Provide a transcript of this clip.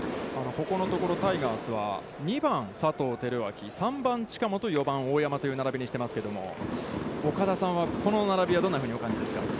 ここのところタイガースは、２番佐藤輝明、３番近本、４番大山という並びにしていますけれども、岡田さんはこの並びはどんなふうにお感じですか。